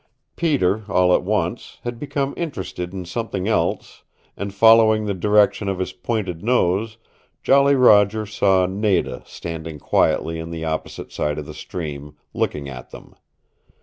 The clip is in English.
Peter, all at once, had become interested in something else, and following the direction of his pointed nose Jolly Roger saw Nada standing quietly on the opposite side of the stream, looking at them.